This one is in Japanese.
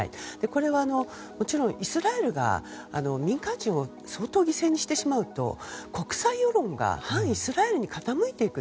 これはもちろん、イスラエルが民間人を相当犠牲にしてしまうと国際世論が反イスラエルに傾いていく。